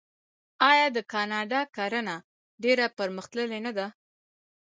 آیا د کاناډا کرنه ډیره پرمختللې نه ده؟